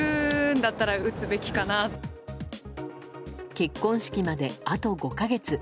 結婚式まで、あと５か月。